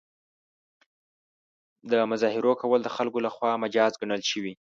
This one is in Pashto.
د مظاهرو کول د خلکو له خوا مجاز ګڼل شوي.